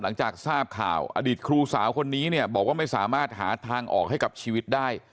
หลังจากทราบข่าวอดีตครูสาวคนนี้เนี่ยบอกว่าไม่สามารถหาทางออกให้กับชีวิตได้